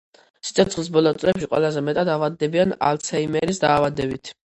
სიცოცხლის ბოლო წლებში ყველაზე მეტად ავადდებიან ალცჰეიმერის დაავადებით.